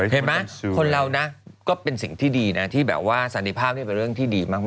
เห็นไหมคนเรานะก็เป็นสิ่งที่ดีนะที่แบบว่าสันติภาพนี่เป็นเรื่องที่ดีมาก